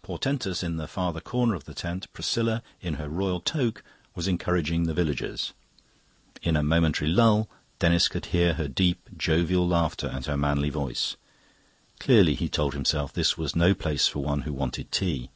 Portentous, in the farther corner of the tent, Priscilla, in her royal toque, was encouraging the villagers. In a momentary lull Denis could hear her deep, jovial laughter and her manly voice. Clearly, he told himself, this was no place for one who wanted tea.